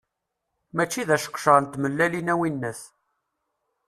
Mačči d aseqcer n tmellalin, a winnat.